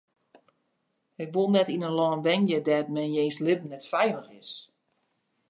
Ik wol net yn in lân wenje dêr't men jins libben net feilich is.